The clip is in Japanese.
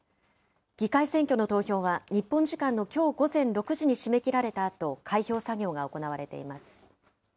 議会選挙の投票は日本時間のきょう午前６時に締め切られたあと、開票作業が行われています。